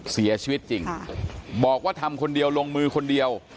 เสียชีวิตจริงบอกว่าทำคนเดียวลงมือคนเดียว